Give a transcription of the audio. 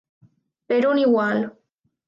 Per un igual.